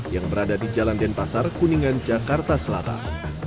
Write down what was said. yang berada di jalan denpasar kuningan jakarta selatan